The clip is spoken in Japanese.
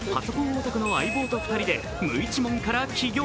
オタクの相棒と２人で無一文から起業。